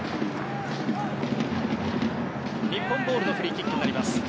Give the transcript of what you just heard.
日本ボールのフリーキックになります。